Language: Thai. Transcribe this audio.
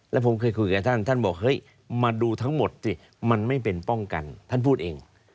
แล้วผมเคยคุยกับท่านท่านบอกเฮ้ยมาดูทั้งหมดสิมันไม่เป็นป้องกันท่านพูดเอง